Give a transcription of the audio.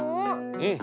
うん。